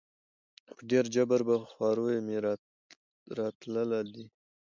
په ډېر جبر په خواریو مي راتله دي